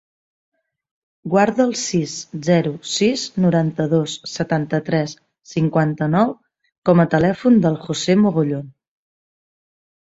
Guarda el sis, zero, sis, noranta-dos, setanta-tres, cinquanta-nou com a telèfon del José Mogollon.